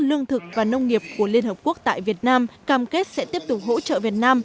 lương thực và nông nghiệp của liên hợp quốc tại việt nam cam kết sẽ tiếp tục hỗ trợ việt nam